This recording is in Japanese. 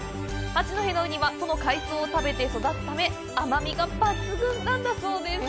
八戸のウニは、その海藻を食べて育つため、甘みが抜群なんだそうです！